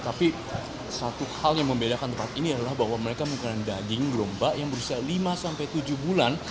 tapi satu hal yang membedakan tempat ini adalah bahwa mereka menggunakan daging domba yang berusia lima sampai tujuh bulan